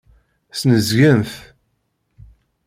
Snezgen-t.